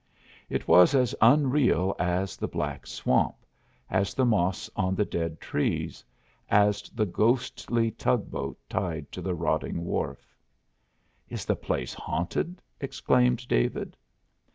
It was as unreal as the black swamp, as the moss on the dead trees, as the ghostly tug boat tied to the rotting wharf. "Is the place haunted!" exclaimed David.